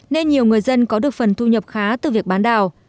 nên nhiều người dân có được phần thu nhập khá từ việc bán đào